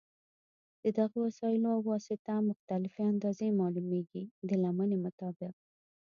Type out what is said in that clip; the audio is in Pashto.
د دغو وسایلو په واسطه مختلفې اندازې معلومېږي د لمنې مطابق.